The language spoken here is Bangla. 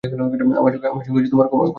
আমার সঙ্গে তোমার কথা কী?